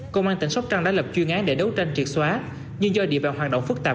công an tỉnh sóc trăng đã lập chuyên án để đấu tranh triệt xóa nhưng do địa bàn hoạt động phức tạp